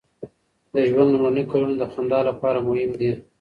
د ژوند لومړني کلونه د خندا لپاره مهم دي.